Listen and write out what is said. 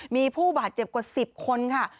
มีผู้บาดเจ็บกว่า๑๐คนค่ะ